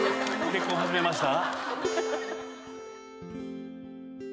「結婚はじめました」？